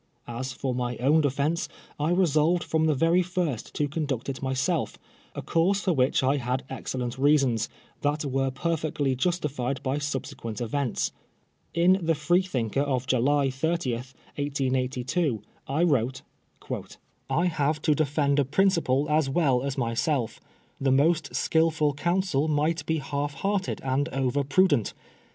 As for my own defence, I resolved from the very first to conduct it myself, a course for which I had excellent reasons, that were perfectly justified by subsequent events. In the Freethinker of July 30, 1882, 1 wrote : OUR FIK8T SUMMONS. 27 I have to defend a principle as well as myself. The most skilful counsel might be naif hearted and over prudent.